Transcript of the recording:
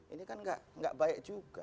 ini kan gak gak baik juga